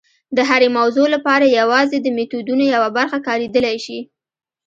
د هرې موضوع لپاره یوازې د میتودونو یوه برخه کارېدلی شي.